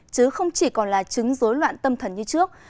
chứ không chỉ còn là chứng dối loạn tâm thần như trước